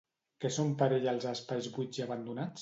Què són per ella els espais buits i abandonats?